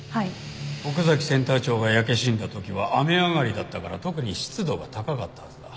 奥崎センター長が焼け死んだ時は雨上がりだったから特に湿度が高かったはずだ。